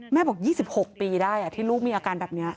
บอก๒๖ปีได้ที่ลูกมีอาการแบบนี้